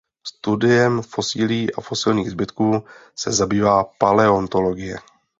Studiem fosilií a fosilních zbytků se zabývá paleontologie.